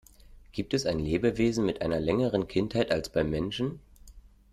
Gibt es Lebewesen mit einer längeren Kindheit als beim Menschen?